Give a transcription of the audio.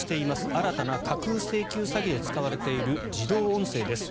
新たな架空請求詐欺で使われている自動音声です。